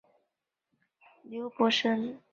刘伯升退到棘阳据守。